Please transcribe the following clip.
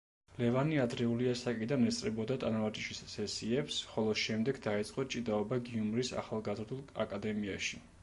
ლევანი ადრეული ასაკიდან ესწრებოდა ტანვარჯიშის სესიებს, ხოლო შემდეგ დაიწყო ჭიდაობა გიუმრის ახალგაზრდულ აკადემიაში.